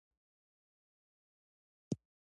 اوښ د افغانستان په اوږده تاریخ کې ذکر شوی دی.